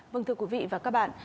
vâng thưa quý vị và các bạn